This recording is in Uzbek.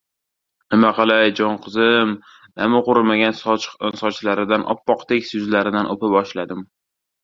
Nima qilay, jon qizim... - Nami qurimagan sochlaridan, oppoq, tekis yuzlaridan o‘pa boshladim.